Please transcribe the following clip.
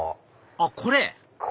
あっこれ？